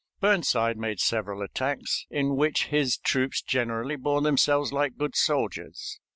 Burnside made several attacks, in which his troops generally bore themselves like good soldiers.